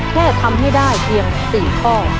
แค่ทำให้ได้เพียง๔ข้อ